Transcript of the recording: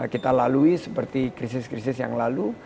kita lalui seperti krisis krisis yang lalu